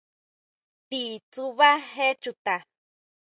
¿Ti tsubá je chuta?